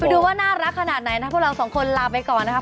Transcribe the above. ดูว่าน่ารักขนาดไหนนะพวกเราสองคนลาไปก่อนนะครับ